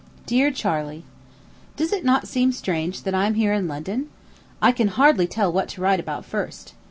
DEAR CHARLEY: Does it not seem strange that I am here in London? I can hardly tell what to write about first.